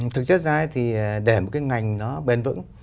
thực chất ra thì để một cái ngành nó bền vững